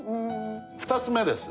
２つ目です。